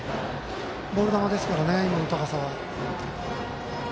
ボール球ですからね、今の高さは。